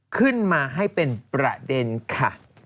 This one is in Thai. ขึ้นมาให้เป็นประเด็นค่ะ